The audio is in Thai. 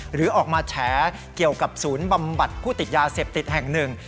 หรือออกมาแฉเกี่ยวกับศูนย์บำบัดผู้ติดยาเสพติดแห่งหนึ่ง